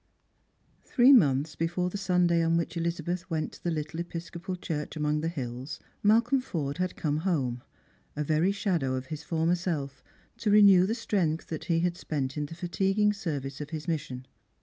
TmiEE months before the Sunday on which Elizabeth went to the little Episcopal church among the hills, Malcolm Forde had come home, a very shadow of his former self, to renew the strength that he had spent in the fatiguing service of his mis sion.